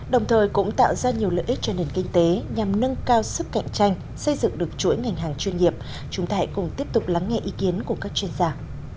đồng thời cũng tạo ra nhiều lợi ích cho nền kinh tế nhằm nâng cao sức cạnh tranh xây dựng được chuỗi ngành hàng chuyên nghiệp chúng ta hãy cùng tiếp tục lắng nghe ý kiến của các chuyên gia